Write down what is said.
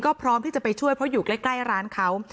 ก็พร้อมที่จะไปช่วยเพราะอยู่ใกล้ร้านเขา